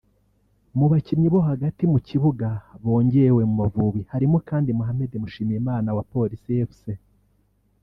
Mu bakinnyi bo hagati mu kibuga bongewe mu Mavubi harimo kandi; Mohammed Mushimiyimana (Police Fc)